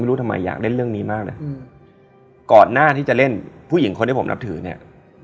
รู้ทำไมอยากเล่นเรื่องนี้มากเลยก่อนหน้าที่จะเล่นผู้หญิงคนที่ผมนับถือเนี่ย